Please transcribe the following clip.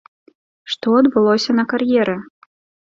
Што адбылося на кар'еры?